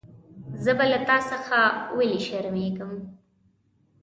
زه به له تا څخه ویلي شرمېږم.